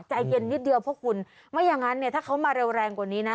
ใจเย็นนิดเดียวเพราะคุณไม่อย่างนั้นเนี่ยถ้าเขามาเร็วแรงกว่านี้นะ